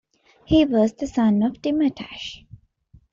He was the son of Timurtash.